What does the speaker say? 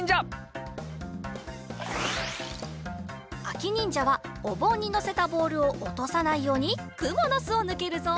あきにんじゃはおぼんにのせたボールをおとさないようにくもの巣をぬけるぞ。